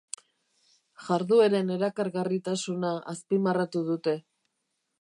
Jardueren erakargarritasuna azpimarratu dute.